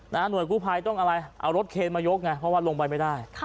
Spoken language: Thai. หน่วยกู้ภัยต้องอะไรเอารถเคนมายกไงเพราะว่าลงไปไม่ได้